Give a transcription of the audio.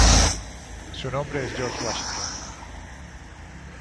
Su nombre es por George Washington.